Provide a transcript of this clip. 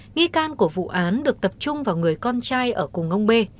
nghi can của vụ án được tập trung vào người con trai ở cùng ông bê